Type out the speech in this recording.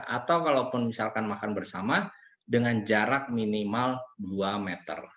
atau kalaupun misalkan makan bersama dengan jarak minimal dua meter